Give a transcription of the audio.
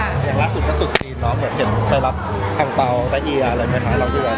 อย่างล่าสุดก็ตุ๊กรีนเนาะเหมือนเห็นไปรับอังเปล่าไปเอียอะไรมั้ยคะ